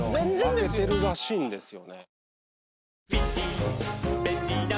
分けてるらしいんですよね。